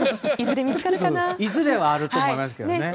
いずれはあるかと思いますけど。